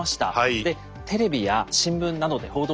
でテレビや新聞などで報道されたもの